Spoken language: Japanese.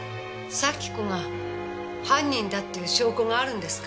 咲子が犯人だっていう証拠があるんですか？